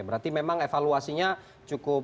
berarti memang evaluasinya cukup